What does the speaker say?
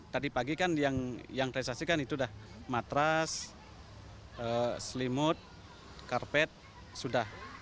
tadi pagi kan yang realisasi kan itu udah matras selimut karpet sudah